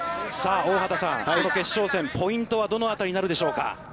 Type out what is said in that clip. さあ大畑さん、この決勝戦、ポイントはどのあたりになるでしょうか。